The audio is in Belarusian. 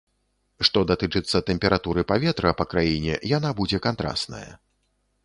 Што датычыцца тэмпературы паветра па краіне, яна будзе кантрасная.